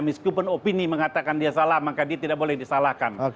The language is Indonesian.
meskipun opini mengatakan dia salah maka dia tidak boleh disalahkan